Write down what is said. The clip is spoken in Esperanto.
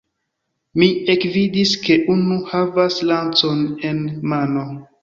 Mi ekvidis, ke unu havas lancon en mano.